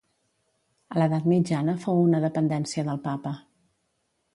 A l'edat mitjana fou una dependència del Papa.